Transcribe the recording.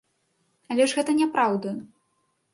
Але ж гэта няпраўда!